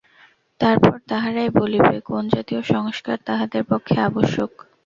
তারপর তাহারাই বলিবে, কোন জাতীয় সংস্কার তাহাদের পক্ষে আবশ্যক।